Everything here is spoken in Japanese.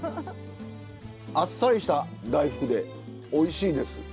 あっさりした大福でおいしいです。